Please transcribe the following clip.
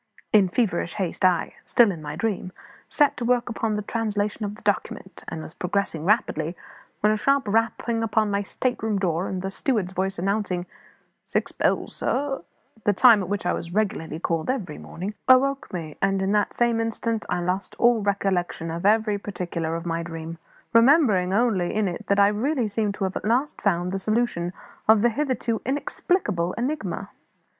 In feverish haste I still in my dream set to work upon the translation of the document, and was progressing swimmingly, when a sharp rapping upon my state room door, and the steward's voice announcing, "Six bells, sir," (the time at which I was regularly called every morning), awoke me; and in that same instant I lost all recollection of every particular of my dream, remembering only that in it I really seemed to have at last found the solution of the hitherto inexplicable enigma.